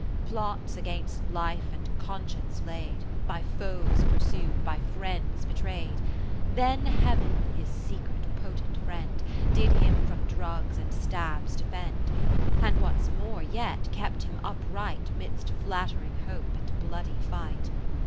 Plots against life and conscience laid, 21 By foes pursu'd, by friends betray'd ; Then Heaven, his secret potent friend, Did him from drugs and stabs defend ; And, what 's more yet, kept him upright 'Midst flattering hope and bloody fight.